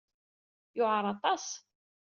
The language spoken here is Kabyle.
Yewɛeṛ aṭas.